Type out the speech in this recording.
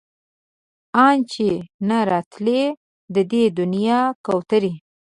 ان چې نه راتلی د دې دنيا کوترې